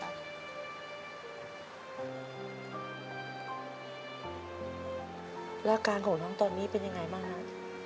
แล้วการของน้องตอนนี้เป็นอย่างไรบ้างครับ